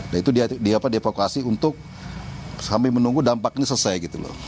yaitu dia diapakasi untuk kami menunggu dampaknya selesai gitu loh